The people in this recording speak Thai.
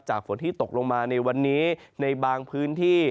ฝนที่ตกลงมาในวันนี้ในบางพื้นที่